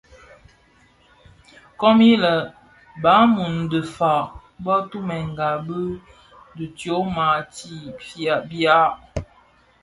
Komid lè Balum dhi fag bō toňdènga bi tyoma ti bia.